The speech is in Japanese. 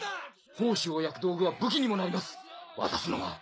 胞子を焼く道具は武器にもなります渡すのは。